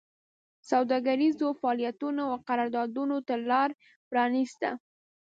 سوداګریزو فعالیتونو او قراردادونو ته لار پرانېسته